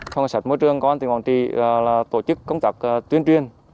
phòng cảnh sát môi trường công an tỉnh quảng trị tổ chức công tác tuyên truyền